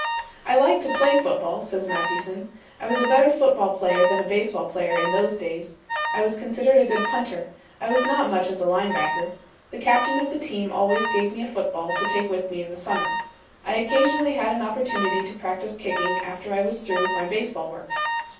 "I liked to play football," says Mathewson. "I was a better football player than a baseball player in those days. I was considered a good punter. I was not much as a line bucker. The captain of the team always gave me a football to take with me in the summer. I occasionally had an opportunity to practice kicking after I was through with my baseball work.